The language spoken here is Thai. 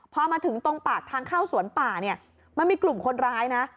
พอมาถึงตรงปากทางเข้าสวนป่าเนี่ยมันมีกลุ่มคนร้ายนะ